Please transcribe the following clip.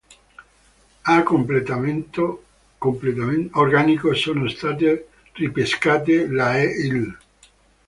A completamento organico sono state ripescate la e l'.